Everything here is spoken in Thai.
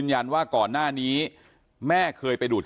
อันนี้มันต้องมีเครื่องชีพในกรณีที่มันเกิดเหตุวิกฤตจริงเนี่ย